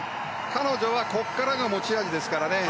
彼女は、ここからが持ち味ですからね。